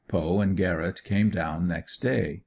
Poe and Garrett came down next day.